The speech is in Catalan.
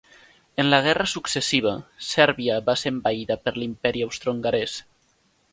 En la guerra successiva, Sèrbia va ser envaïda per l'Imperi Austrohongarès.